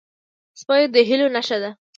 سپي د هیلو نښه ده.